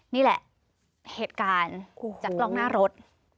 นี่แหละเหตุการณ์จากกล้องหน้ารถ